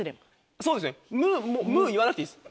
そうですね「む」言わなくていいです。